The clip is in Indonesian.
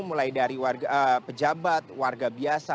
mulai dari pejabat warga biasa